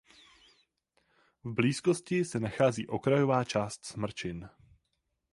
V blízkosti se nachází okrajová část Smrčin.